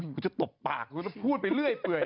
ก็จะตบปากพูดไปเรื่อย